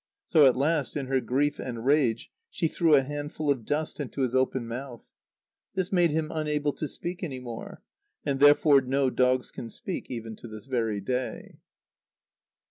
So at last, in her grief and rage, she threw a handful of dust into his open mouth. This made him unable to speak any more, and therefore no dogs can speak even to this very day.